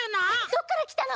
どっからきたの？